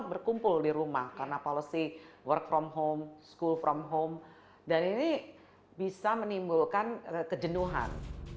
berkumpul di rumah karena policy work from home school from home dan ini bisa menimbulkan kejenuhan